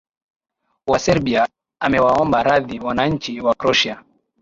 wa serbia amewaomba radhi wananchi wa croatia